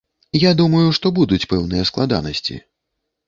Я думаю, што будуць пэўныя складанасці.